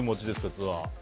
ツアー。